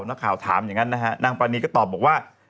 นักข่าวถามอย่างนั้นนะฮะนางปรานีก็ตอบบอกว่า